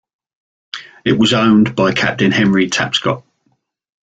It was owned by Captain Henry Tapscott.